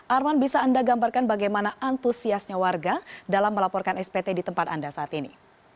arman bisa anda gambarkan bagaimana antusiasnya warga dalam melaporkan spt di tempat anda saat ini